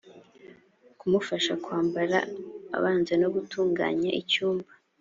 kumufasha kwambar abanza no gutunganya icyumba